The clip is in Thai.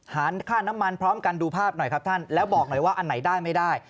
ค่าน้ำมันพร้อมกันดูภาพหน่อยครับท่านแล้วบอกหน่อยว่าอันไหนได้ไม่ได้